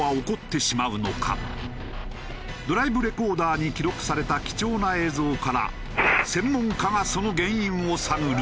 ドライブレコーダーに記録された貴重な映像から専門家がその原因を探る。